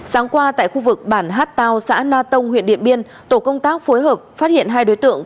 sáng qua tại khu vực bản hát tao xã na tông huyện điện biên tổ công tác phối hợp phát hiện hai đối tượng